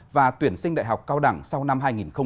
và tuyển sinh đại học cao đẳng sau năm hai nghìn hai mươi